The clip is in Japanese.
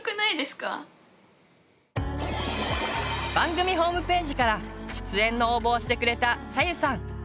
番組ホームページから出演の応募をしてくれたさゆさん。